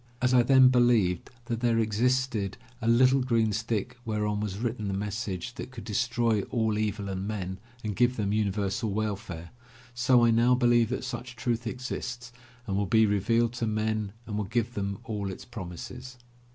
As I then believed that there ex isted a little green stick whereon was written the message that could destroy all evil in men and give them universal welfare, so I now believe that such truth exists and will be revealed to men and will give them all it promises.